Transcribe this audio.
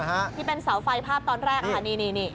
ที่เป็นเสาไฟภาพตอนแรกค่ะนี่นี่